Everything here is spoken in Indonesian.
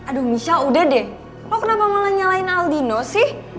aduh misal udah deh lo kenapa malah nyalain aldino sih